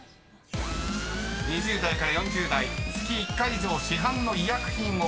［２０代から４０代月１回以上市販の医薬品を購入する人］